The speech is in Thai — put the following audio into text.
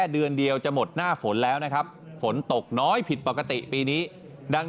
เดือนเดียวจะหมดหน้าฝนแล้วนะครับฝนตกน้อยผิดปกติปีนี้ดัง